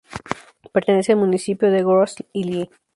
Pertenece al municipio de Grosse-Île.